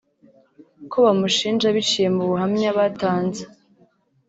Ku bamushinja biciye mu buhamya batanze